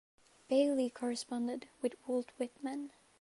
Baillie corresponded with Walt Whitman.